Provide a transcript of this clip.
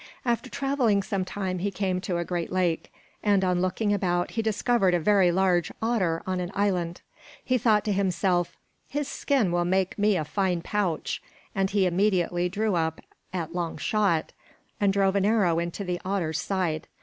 After traveling some time he came to a great lake, and on looking about he discovered a very large otter on an island. He thought to himself, "His skin will make me a fine pouch." And he immediately drew up at long shot and drove an arrow into the otter's side.